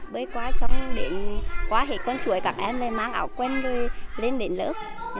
bơi qua xong đến qua hết con suối các em lại mang áo quen rồi lên đến lớp